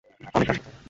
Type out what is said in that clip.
অনেক কাজ করতে হবে।